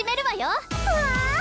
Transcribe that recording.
わあ！